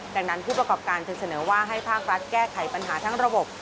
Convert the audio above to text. ดังนั้นผู้ประกอบการจึงเสนอว่าให้ภาครัฐแก้ไขปัญหาทั้งระบบ